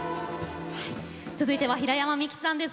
続いては平山みきさんです。